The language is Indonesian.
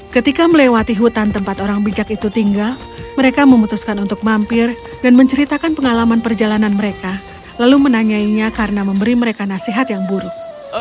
ketika melewati hutan tempat orang bijak itu tinggal mereka memutuskan untuk mampir dan menceritakan pengalaman perjalanan mereka lalu menanyainya karena memberi mereka nasihat yang buruk